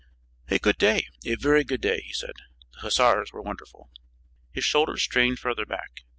"A good day, a very good day," he said. "The hussars were wonderful." His shoulders strained further back.